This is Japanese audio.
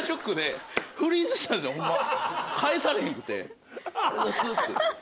返されへんくて。